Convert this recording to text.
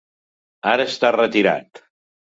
Ara està retirat.